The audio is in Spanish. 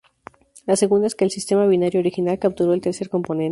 La segunda es que el sistema binario original capturó el tercer componente.